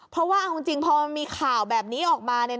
เพราะว่าเอาจริงพอมันมีข่าวแบบนี้ออกมา